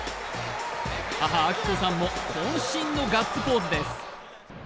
母・明子さんもこん身のガッツポーズです。